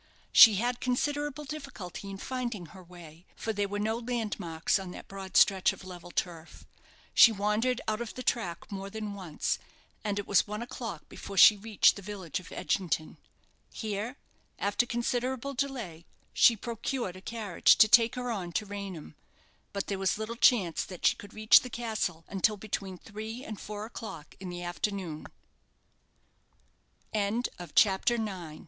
She had considerable difficulty in finding her way, for there were no landmarks on that broad stretch of level turf. She wandered out of the track more than once, and it was one o'clock before she reached the village of Edgington. Here, after considerable delay, she procured a carriage to take her on to Raynham; but there was little chance that she could reach the castle until between three and four o'clock in the afternoon. CHAPTER X. "HOW ART THOU LOST! HOW O